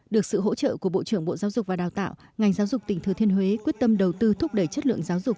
được sự hỗ trợ của bộ trưởng bộ giáo dục và đào tạo ngành giáo dục tỉnh thừa thiên huế quyết tâm đầu tư thúc đẩy chất lượng giáo dục